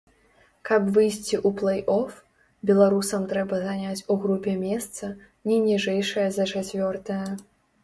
Каб выйсці ў плэй-оф, беларусам трэба заняць у групе месца, не ніжэйшае за чацвёртае.